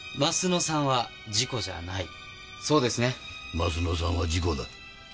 鱒乃さんは事故だ。